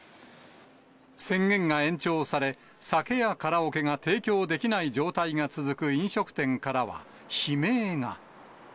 宣言が延長され、酒やカラオケが提供できない状態が続く飲食店からは、悲鳴が。